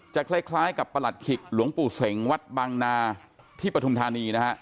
คล้ายกับประหลัดขิกหลวงปู่เสงวัดบางนาที่ปฐุมธานีนะฮะ